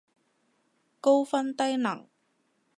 高分低能